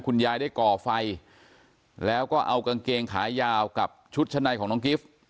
คุณยายได้ก่อไฟแล้วก็เอากางเกงขายาวกับชุดชั้นในของน้องกิฟต์